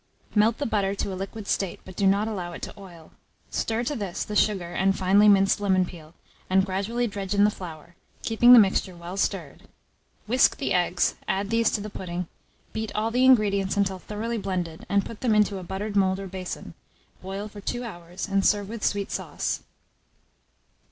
Mode. Melt the butter to a liquid state, but do not allow it to oil; stir to this the sugar and finely minced lemon peel, and gradually dredge in the flour, keeping the mixture well stirred; whisk the eggs; add these to the pudding; beat all the ingredients until thoroughly blended, and put them into a buttered mould or basin; boil for 2 hours, and serve with sweet sauce.